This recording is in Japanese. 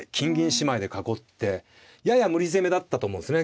姉妹で囲ってやや無理攻めだったと思うんですね